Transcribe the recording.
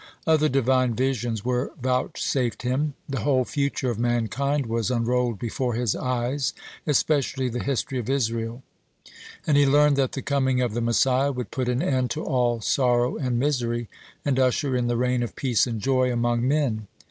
Other Divine visions were vouchsafed him. The whole future of mankind was unrolled before his eyes, especially the history of Israel, and he learned that the coming of the Messiah would put an end to all sorrow and misery, and usher in the reign of peace and joy among men.